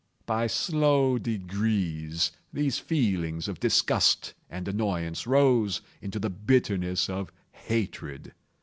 By slow degrees, these feelings of disgust and annoyance rose into the bitterness of hatred.